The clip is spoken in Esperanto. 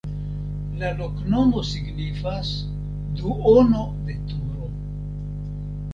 La loknomo signifas: duono de turo.